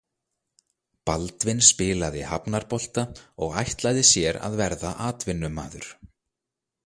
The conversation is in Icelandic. Baldvin spilaði hafnarbolta og ætlaði sér að verða atvinnumaður.